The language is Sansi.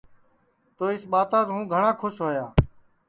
تو اِس ٻاتاس ہوں گھٹؔا کُھس ہویا